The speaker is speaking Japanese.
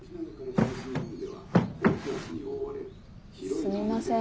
すみません。